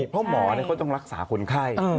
เพราะหมอเขาต้องรักษาคนไข้